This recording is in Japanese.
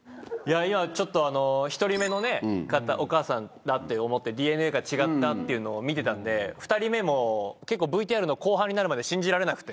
今ちょっとあの１人目の方お母さんだって思ってＤＮＡが違ったっていうのを見てたんで２人目も結構ＶＴＲの後半になるまで信じられなくて。